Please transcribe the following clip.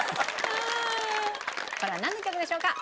これはなんの曲でしょうか？